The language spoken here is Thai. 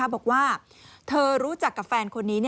บอกว่าเธอรู้จักกับแฟนคนนี้